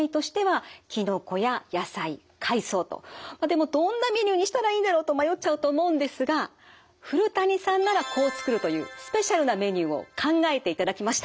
でもどんなメニューにしたらいいんだろうと迷っちゃうと思うんですが古谷さんならこう作るというスペシャルなメニューを考えていただきました。